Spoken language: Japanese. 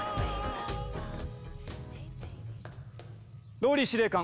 ＲＯＬＬＹ司令官！